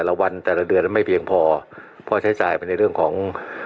รัฐบาลไม่สนใจในเรื่องของ